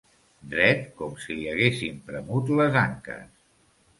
Dret, com si li haguessin premut les anques.